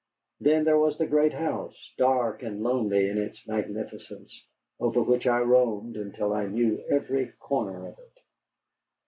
Then there was the great house, dark and lonely in its magnificence, over which I roamed until I knew every corner of it.